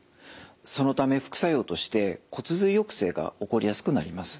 そのため副作用として骨髄抑制が起こりやすくなります。